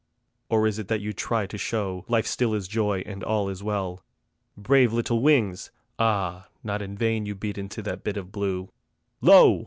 Or is it that you try to show Life still is joy and all is well? Brave little wings! Ah, not in vain You beat into that bit of blue: Lo!